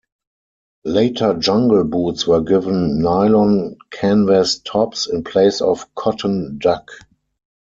Later Jungle boots were given nylon canvas tops in place of cotton duck.